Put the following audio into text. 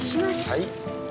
はい。